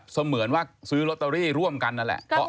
เหมือนว่าซื้อลอตเตอรี่ร่วมกันนั่นแหละ